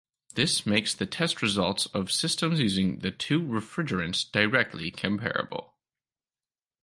This makes the test results of systems using the two refrigerants directly comparable.